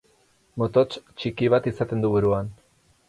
Motots txiki bat izaten du buruan.